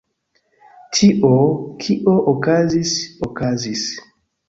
Tio, kio okazis, okazis.